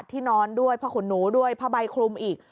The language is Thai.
ที่นอนด้วยผ้าขุนหนูด้วยผ้าใบคลุมอีก